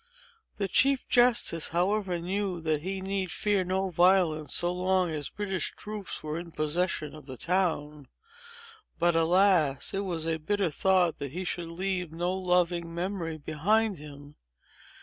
The chief justice, however, knew that he need fear no violence, so long as the British troops were in possession of the town. But alas! it was a bitter thought, that he should leave no loving memory behind him.